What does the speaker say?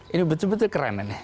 ini betul betul keren ya